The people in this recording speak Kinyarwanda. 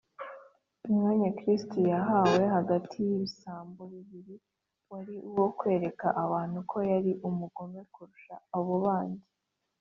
umwanya kristo yahawe hagati y’ibisambo bibiri wari uwo kwereka abantu ko yari umugome kurusha abo bandi